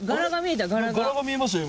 柄が見えましたよ